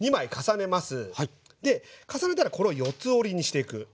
で重ねたらこれを四つ折りにしていく。